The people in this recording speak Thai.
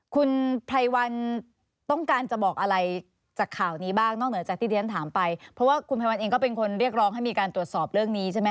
คุณไพรวันต้องการจะบอกอะไรจากข่าวนี้บ้างนอกเหนือจากที่เรียนถามไปเพราะว่าคุณภัยวันเองก็เป็นคนเรียกร้องให้มีการตรวจสอบเรื่องนี้ใช่ไหมค